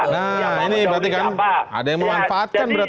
nah ini berarti kan ada yang memanfaatkan berarti